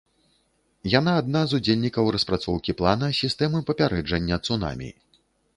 Яна адна з удзельнікаў распрацоўкі плана сістэмы папярэджання цунамі.